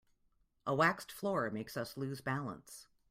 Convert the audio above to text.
A waxed floor makes us lose balance.